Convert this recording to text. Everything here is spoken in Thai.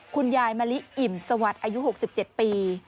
คุณยายมะลิอิ่มสวัสดิ์อายุ๖๗ปี